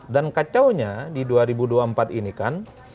dan kacaunya di dua ribu dua puluh empat ini kan